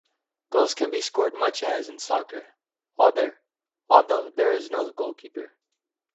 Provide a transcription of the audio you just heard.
Goals can be scored much as in soccer, although there is no goalkeeper.